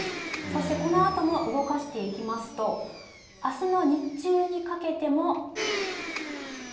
そしてこのあとも動かしていきますと、あすの日中にかけても。